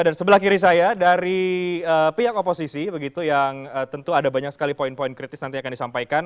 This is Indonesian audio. dan sebelah kiri saya dari pihak oposisi yang tentu ada banyak sekali poin poin kritis nanti akan disampaikan